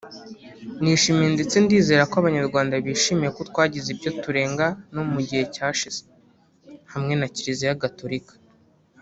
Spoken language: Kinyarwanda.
nishimiye ndetse ndizera ko abanyarwanda bishimye ko twagize ibyo turenga no mu gihe cyashize hamwe na Kiliziya Gatolika